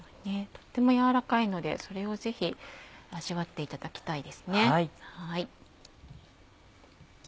とっても軟らかいのでそれをぜひ味わっていただきたいですね。